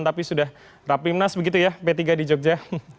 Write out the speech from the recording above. tapi sudah rapimnas begitu ya p tiga di jogja